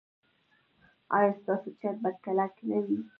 ایا ستاسو چت به کلک نه وي؟